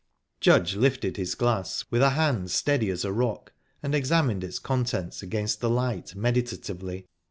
Judge lifted his glass with a hand steady as a rock, and examined its contents against the light meditatively.